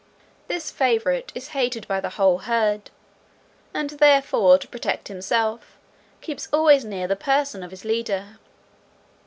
This favourite is hated by the whole herd, and therefore, to protect himself, keeps always near the person of his leader.